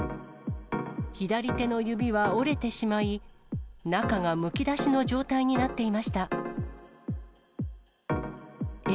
左手の指は折れてしまい、中がむき出しの状態になっていました。